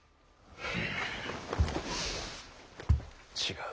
違う。